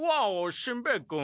しんべヱ君！